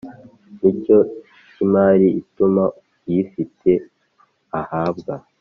N ikigo cy imari ituma uyifite ahabwa